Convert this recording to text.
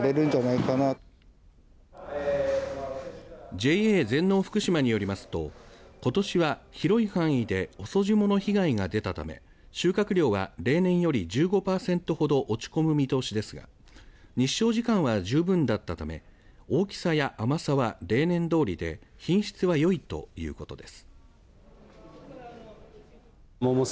ＪＡ全農福島によりますとことしは広い範囲で遅霜の被害が出たため収穫量は例年より１５パーセントほど落ち込む見通しですが日照時間は十分だったため大きさや甘さは例年どおりで品質はよいということです。